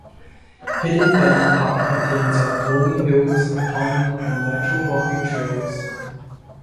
Hidden Valley Park contains of rolling hills, a pond and natural walking trails.